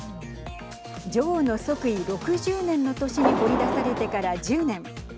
女王の即位６０年の年に掘り出されてから１０年。